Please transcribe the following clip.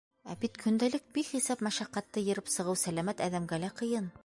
Ә бит көндәлек бихисап мәшәҡәтте йырып сығыу сәләмәт әҙәмгә лә ҡыйын.